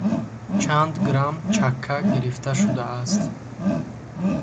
Чанд грамм чакка гирифта шудааст?